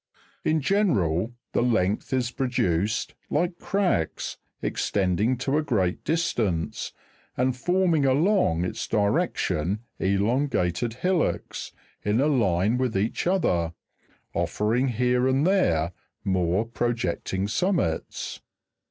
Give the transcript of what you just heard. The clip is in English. In general, the length is produced, like cracks, extending to a great distance, and forming along its direction elongated hillocks, in a line with each other, offering here and there more projecting summits.